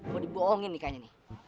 mau dibohongin nih kayaknya nih